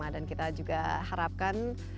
dan kita juga harapkan